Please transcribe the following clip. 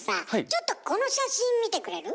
ちょっとこの写真見てくれる？